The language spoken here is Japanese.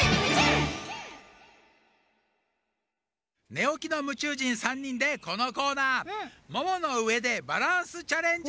ねおきのむちゅう人３にんでこのコーナー「ももの上でバランスチャレンジ」！